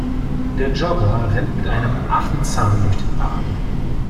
Der Jogger rennt mit einem Affenzahn durch den Park.